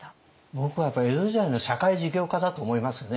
僕はやっぱり江戸時代の社会事業家だと思いますね。